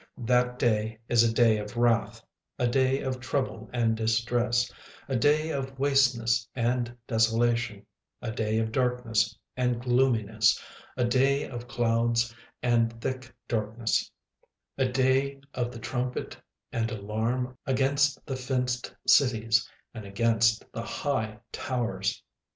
36:001:015 That day is a day of wrath, a day of trouble and distress, a day of wasteness and desolation, a day of darkness and gloominess, a day of clouds and thick darkness, 36:001:016 A day of the trumpet and alarm against the fenced cities, and against the high towers.